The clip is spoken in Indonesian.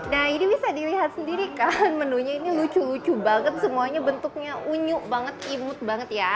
nah ini bisa dilihat sendiri kan menunya ini lucu lucu banget semuanya bentuknya unyu banget imut banget ya